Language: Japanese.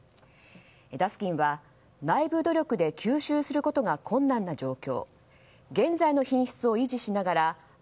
ダスキンは内部努力で吸収することが困難な状況。